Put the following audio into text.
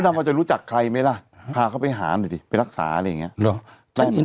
เราจะรู้จักใครไหมล่ะพาเขาไปหาหน่อยสิไปรักษาอะไรอย่างนี้